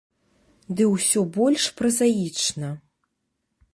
Ды ўсё больш празаічна.